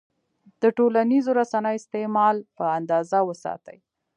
د ټولنیزو رسنیو استعمال په اندازه وساتئ.